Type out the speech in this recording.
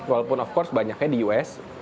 walaupun of course banyaknya di us